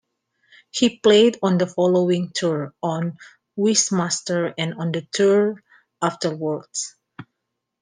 He played on the following tour, on "Wishmaster" and on the tour afterwards.